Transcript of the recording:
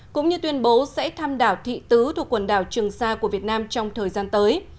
cũng như tuyên bố sẽ thăm đảo thị tứ thuộc quần đảo trường sa của việt nam trong thời gian tới